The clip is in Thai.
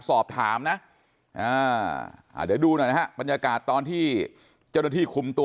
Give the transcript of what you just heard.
สอบถามนะเดี๋ยวดูหน่อยนะฮะบรรยากาศตอนที่เจ้าหน้าที่คุมตัว